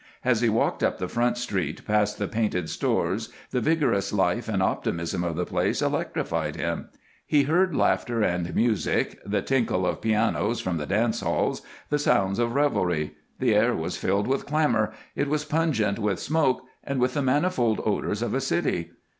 As he walked up the front street past the painted stores the vigorous life and optimism of the place electrified him; he heard laughter and music, the tinkle of pianos from the dance halls, the sounds of revelry. The air was filled with clamor, it was pungent with smoke and with the manifold odors of a city.